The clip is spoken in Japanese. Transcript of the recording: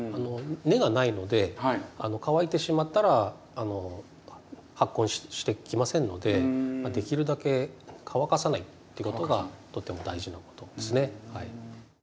根がないので乾いてしまったら発根してきませんのでできるだけ乾かさないっていうことがとても大事なことですね。